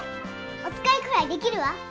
おつかいくらいできるわ。